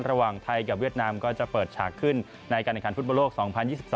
ระหว่างไทยกับเวียดนามก็จะเปิดฉากขึ้นในการเอกลันฟุตบอลโลกสองพันยี่สิบสอง